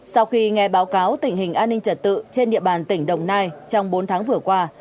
sau khi nghe báo cáo tình hình an ninh trật tự trên địa bàn tỉnh đồng nai trong bốn tháng vừa qua